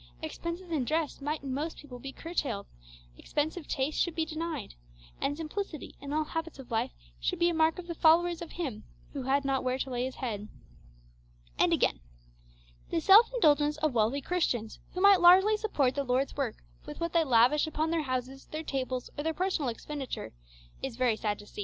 Expenses in dress might in most people be curtailed; expensive tastes should be denied; and simplicity in all habits of life should be a mark of the followers of Him who had not where to lay His head.' And again: 'The self indulgence of wealthy Christians, who might largely support the Lord's work with what they lavish upon their houses, their tables, or their personal expenditure, is very sad to see.'